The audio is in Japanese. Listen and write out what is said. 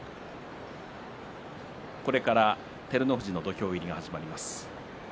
これから照ノ富士の土俵入りが始まります。